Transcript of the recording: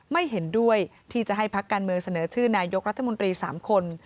ไม่เห็นด้วยที่จะให้พักการเมืองเสนอชื่อนายกรัฐมนตรี๓คน